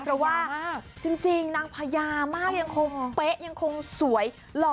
เพราะว่าจริงนางพญาม่ายังคงเป๊ะยังคงสวยหล่อ